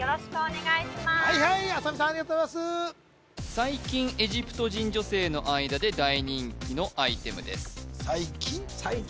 最近エジプト人女性の間で大人気のアイテムです最近？